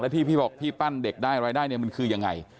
แล้วที่พี่บอกพี่ปั้นเด็กได้อะไรได้มันคือยังไง